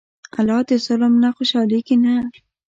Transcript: الله د ظلم نه خوشحالېږي نه.